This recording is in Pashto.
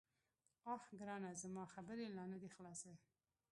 _اه ګرانه، زما خبرې لا نه دې خلاصي.